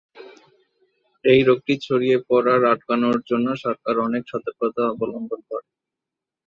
এই রোগটি ছড়িয়ে পড়ার আটকানোর জন্য, সরকার অনেক সতর্কতা অবলম্বন করে।